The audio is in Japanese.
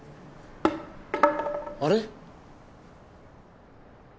あれ？